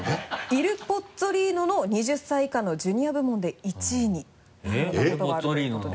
イル・ポッツォリーノの２０歳以下のジュニア部門で１位になられたことがあるということで。